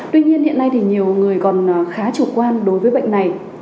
tuy nhiên hiện nay thì nhiều người còn khá chủ quan đối với bệnh này